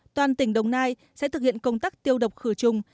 toàn tỉnh đồng nai sẽ thực hiện công tác tiêu độc khử trùng